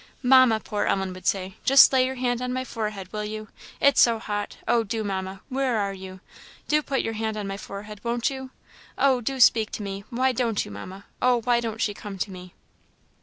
"Mamma," poor Ellen would say, "just lay your hand on my forehead, will you? it's so hot! Oh, do, Mamma! where are you? Do put your hand on my forehead, won't you? Oh, do speak to me! why don't you, Mamma? Oh, why don't she come to me?"